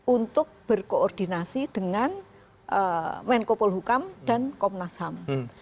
untuk berkoordinasi dengan menkopol hukam dan komnas ham